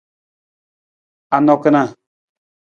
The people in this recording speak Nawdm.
Anang kana?